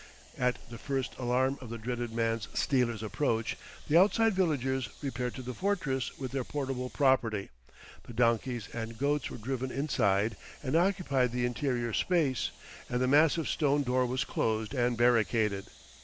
At the first alarm of the dreaded man stealers' approach, the outside villagers repaired to the fortress with their portable property; the donkeys and goats were driven inside and occupied the interior space, and the massive stone door was closed and barricaded.